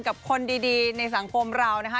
กับคนดีในสังคมเรานะคะ